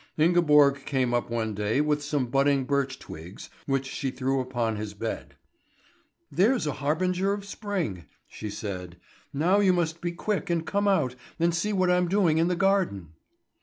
Ingeborg came up one day with some budding birch twigs which she threw upon his bed. "There's a harbinger of spring," she said. "Now you must be quick and come out, and see what I'm doing in the garden."